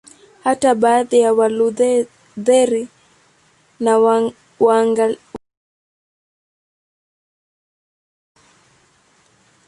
Hata baadhi ya Walutheri na Waanglikana wanapenda desturi hiyo.